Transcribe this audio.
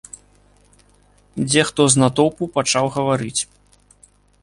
Дзе хто з натоўпу пачаў гаварыць.